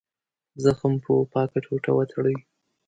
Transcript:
زخم په پاکه ټوټه وتړئ.